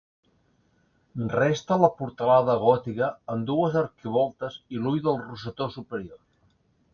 Resta la portalada gòtica amb dues arquivoltes i l'ull del rosetó superior.